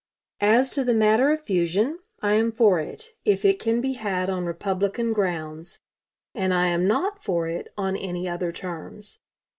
As to the matter of fusion, I am for it, if it can be had on Republican grounds; and I am not for it on any other terms.